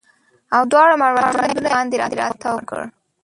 او دواړه مړوندونه یې باندې راتاو کړه